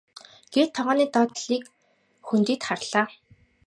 гээд тогооны доод талын хөндийд харлаа.